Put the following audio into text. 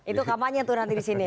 itu kampanye tuh nanti disini